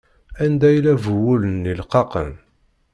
Anda yella bu wul-nni leqqaqen?